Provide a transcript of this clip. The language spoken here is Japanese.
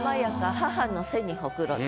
母の背にほくろ」。